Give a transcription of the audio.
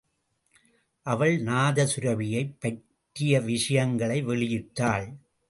அவள் நாதசுரபியைப் பற்றிய விஷயங்களை வெளியிட்டாள்.